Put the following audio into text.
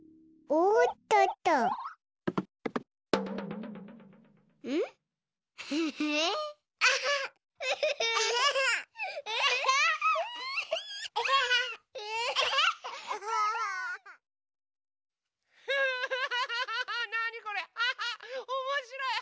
おもしろい！